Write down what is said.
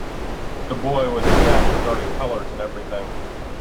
The boy was exact regarding colours, and everything.